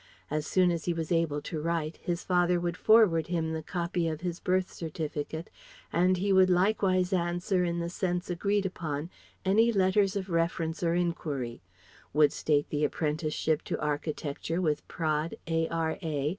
As soon as he was able to write, his father would forward him the copy of his birth certificate, and he would likewise answer in the sense agreed upon any letters of reference or enquiry: would state the apprenticeship to architecture with Praed A.R.A.